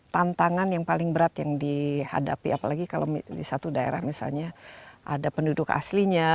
tantangan yang paling berat yang dihadapi apalagi kalau di satu daerah misalnya ada penduduk aslinya